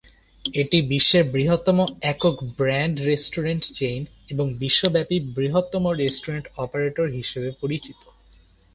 এটি বিশ্বের বৃহত্তম একক ব্র্যান্ড রেস্টুরেন্ট চেইন এবং বিশ্বব্যাপী বৃহত্তম রেস্টুরেন্ট অপারেটর হিসেবে পরিচিত।